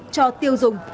cho tiêu dùng